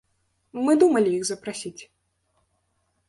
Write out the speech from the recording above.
Мы думалі іх запрасіць.